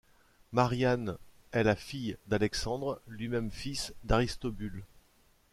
Mariamne est la fille d'Alexandre, lui-même fils d'Aristobule.